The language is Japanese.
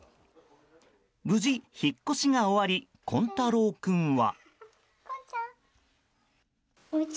無事引っ越しが終わりこんたろう君は。